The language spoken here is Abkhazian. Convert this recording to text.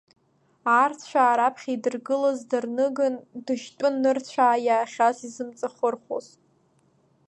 Аарцәаа раԥхьа идыргылаз дарныгын, дышьтәын нырцәаа иахьа изымҵахырхәоз.